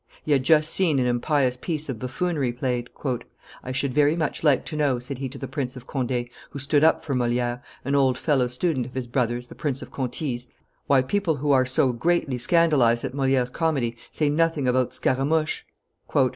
He had just seen an impious piece of buffoonery played. "I should very much like to know," said he to the Prince of Conde, who stood up for Moliere, an old fellow student of his brother's, the Prince of Conti's, "why people who are so greatly scandalized at Moliere's comedy say nothing about _Scaramouche?